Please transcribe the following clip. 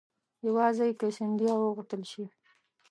یوازې له سیندهیا وغوښتل شي.